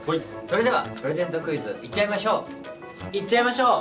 それではプレゼントクイズいっちゃいましょういっちゃいましょう！